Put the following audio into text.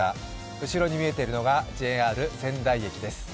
後ろに見えているのがＪＲ仙台駅です。